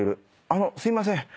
あのすいません。